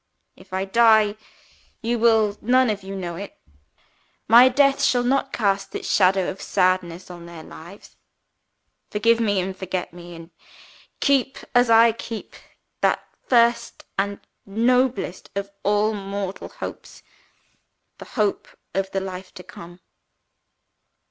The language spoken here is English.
If I die, you will none of you know it. My death shall not cast its shadow of sadness on their lives. Forgive me and forget me; and keep, as I keep, that first and noblest of all mortal hopes the hope of the life to come.